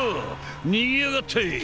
逃げやがった！